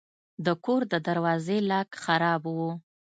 د کور د دروازې لاک خراب و.